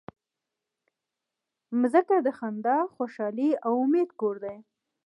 مځکه د خندا، خوشحالۍ او امید کور دی.